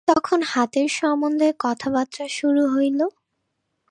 তখন হাতীর সম্বন্ধে কথাবার্তা শুরু হইল।